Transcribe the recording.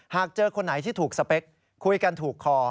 หากเจอคนไหนที่ถูกสเปคคุยกันถูกคอ